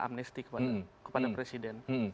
amnesti kepada presiden